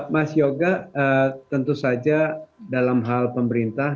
mas yoga tentu saja dalam hal pemerintah